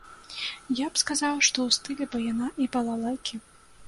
Я б сказаў, што ў стылі баяна і балалайкі!